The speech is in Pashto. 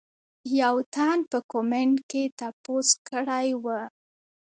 يو تن پۀ کمنټ کښې تپوس کړے وۀ